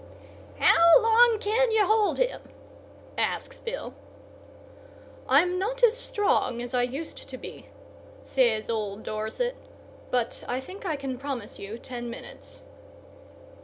"How long can you hold him?" asks Bill. "I'm not as strong as I used to be," says old Dorset, "but I think I can promise you ten minutes."